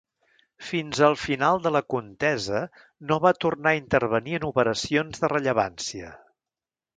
Fins al final de la contesa no va tornar a intervenir en operacions de rellevància.